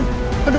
bapak ngebut ya